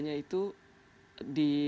nya itu di